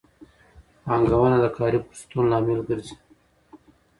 پانګونه د کاري فرصتونو لامل ګرځي.